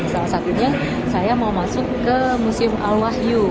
salah satunya saya mau masuk ke musim al wahyu